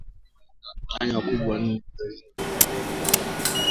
Nyanya Ukubwa nne zitahitajika